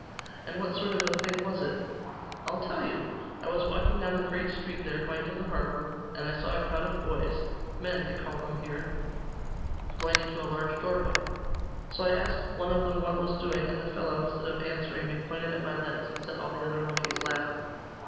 'And what sort of a thing was it?' 'I'll tell you. I was walking down the great street there, going to the harbour; and I saw a crowd of boys men they call them here going into a large doorway. So I asked one of them what was doing, and the fellow, instead of answering me, pointed at my legs, and set all the other monkeys laughing.